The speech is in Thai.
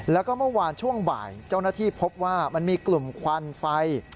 แล้วก็เมื่อวานช่วงบ่ายเจ้าหน้าที่พบว่ามันมีกลุ่มควันไฟ